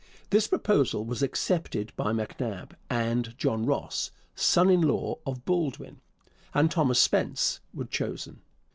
This proposal was accepted by MacNab, and John Ross (son in law of Baldwin) and Thomas Spence were chosen.